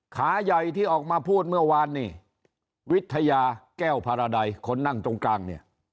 ขาใหญ่ที่ออกมาพูดเมื่อวานนี่วิทยาแก้วพาราดัยคนนั่งตรงกลางเนี่ย